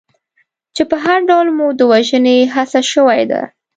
چې په هر ډول مو د وژنې هڅه شوې ده.